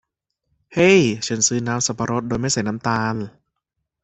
เฮ้ฉันซื้อน้ำสับปะรดโดยไม่ใส่น้ำตาล